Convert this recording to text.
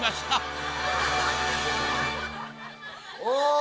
お！